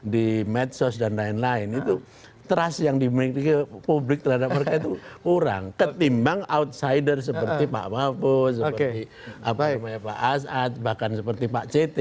di medsos dan lain lain itu trust yang dimiliki publik terhadap mereka itu kurang ketimbang outsider seperti pak mahfud seperti pak azad bahkan seperti pak ct